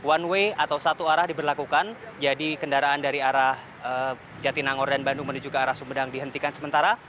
one way atau satu arah diberlakukan jadi kendaraan dari arah jatinangor dan bandung menuju ke arah sumedang dihentikan sementara